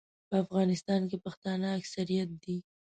په افغانستان کې پښتانه اکثریت دي.